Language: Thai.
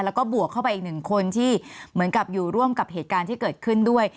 แล้วก็บวกเข้าไปอีกหนึ่งคนที่เหมือนกับอยู่ร่วมกับเหตุการณ์ที่เกิดขึ้นด้วย